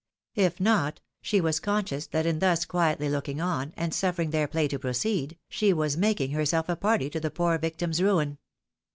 If not, she was conscious that in thus quietly looking on, and suffering their play to proceed, she was making herself a party to the poor victim's ruin.